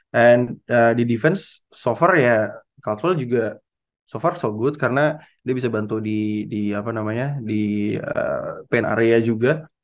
dan di defense so far ya caldwell juga so far so good karena dia bisa bantu di apa namanya di paint area juga